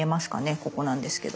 ここなんですけど。